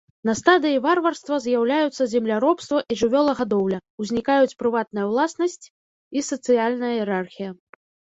На стадыі варварства з'яўляюцца земляробства і жывёлагадоўля, узнікаюць прыватная ўласнасць і сацыяльная іерархія.